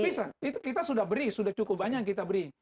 bisa itu kita sudah beri sudah cukup banyak yang kita beri